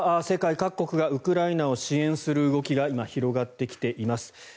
世界各国がウクライナを支援する動きが今、広がってきています。